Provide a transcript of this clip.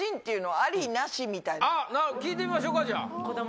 あっ、聞いてみましょうか、じゃあ。